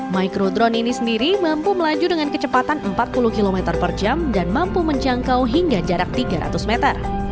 micro drone ini sendiri mampu melaju dengan kecepatan empat puluh km per jam dan mampu menjangkau hingga jarak tiga ratus meter